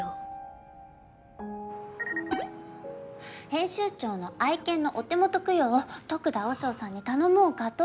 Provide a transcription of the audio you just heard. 編集長の愛犬のお手元供養を得田和尚さんに頼もうかと。